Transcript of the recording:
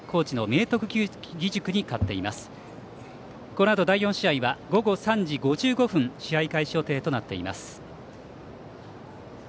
このあと第４試合は午後３時５５分試合開始予定となっています。